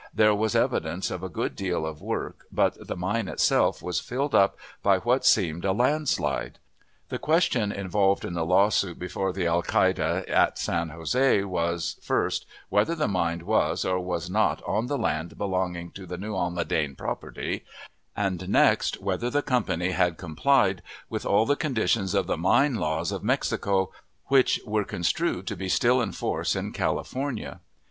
There was evidence of a good deal of work, but the mine itself was filled up by what seemed a land slide. The question involved in the lawsuit before the alcalde at San Jose was, first, whether the mine was or was not on the land belonging to the New Almaden property; and, next, whether the company had complied with all the conditions of the mite laws of Mexico, which were construed to be still in force in California.